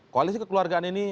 koalisi kekluargaan ini